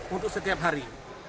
untuk setiap hari